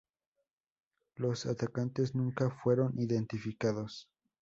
Los atacantes nunca fueron identificados.